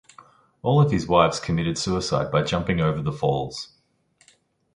All of his wives committed suicide by jumping over the falls.